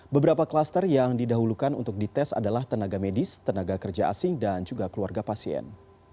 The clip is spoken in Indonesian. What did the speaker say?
beberapa klaster yang didahulukan untuk dites adalah tenaga medis tenaga kerja asing dan juga keluarga pasien